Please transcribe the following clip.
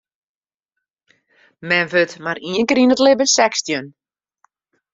Men wurdt mar ien kear yn it libben sechstjin.